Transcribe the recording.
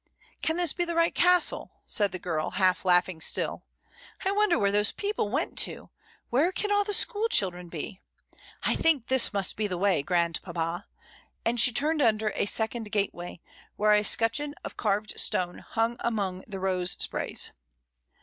"Can this be the right Castle?" said the girl, half laughing still. "I wonder where those people went to; where can all the school children be? I think this must be the way, grandpapa," and she turned under a second gateway, where a scutcheon of carved stone hung among the rose sprays.